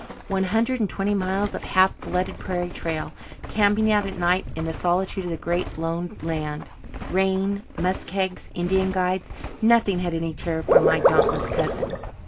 One hundred and twenty miles of half flooded prairie trail camping out at night in the solitude of the Great Lone Land rain muskegs Indian guides nothing had any terror for my dauntless cousin.